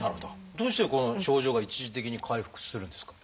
どうして症状が一時的に回復するんですか？